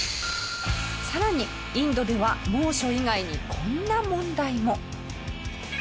更にインドでは猛暑以外にこんな問題も。